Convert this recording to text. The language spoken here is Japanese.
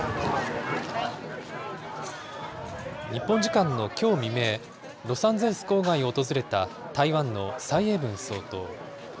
日本時間のきょう未明、ロサンゼルス郊外を訪れた台湾の蔡英文総統。